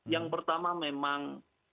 yang pertama memang